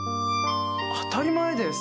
当たり前です！